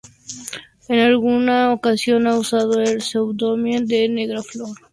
En alguna ocasión ha usado el seudónimo de "Negra Flor".